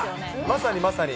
まさにまさに。